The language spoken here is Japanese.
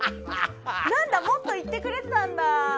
なんだもっと言ってくれてたんだ！